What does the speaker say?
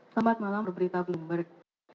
selamat malam berita bloomberg